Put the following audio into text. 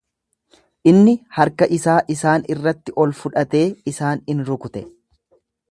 Inni harka isaa isaan irratti ol fudhatee isaan in rukute.